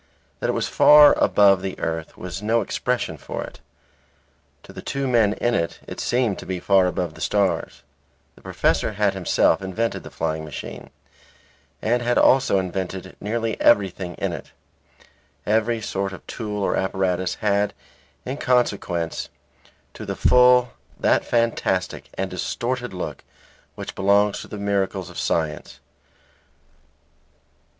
That it was far above the earth was no expression for it; to the two men in it, it seemed to be far above the stars. The professor had himself invented the flying machine, and had also invented nearly everything in it. Every sort of tool or apparatus had, in consequence, to the full, that fantastic and distorted look which belongs to the miracles of science.